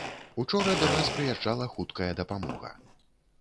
Учора да нас прыязджала хуткая дапамога.